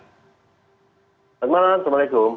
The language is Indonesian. selamat malam assalamualaikum